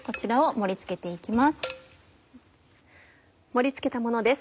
盛り付けたものです。